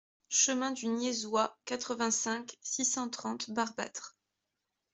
Chemin du Niaisois, quatre-vingt-cinq, six cent trente Barbâtre